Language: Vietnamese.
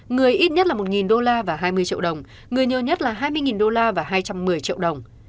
người ít nhất là một đô la và hai mươi triệu đồng người nhiều nhất là hai mươi đô la và hai trăm một mươi triệu đồng